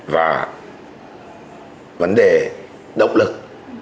và vấn đề động lực